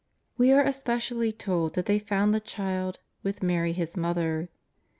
We are specially told that they found the Child " with Mary His Mother."